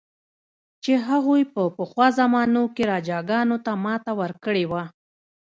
چې هغوی په پخوا زمانو کې راجاګانو ته ماته ورکړې وه.